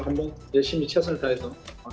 kita akan berusaha untuk berusaha untuk menang